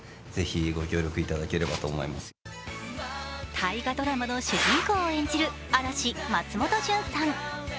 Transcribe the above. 大河ドラマの主人公を演じる嵐・松本潤さん。